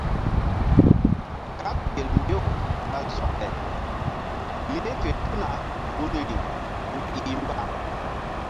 Kaɓ gel mbew ɓa zɔke leh fe tuna gunri toŋ ɗih mba.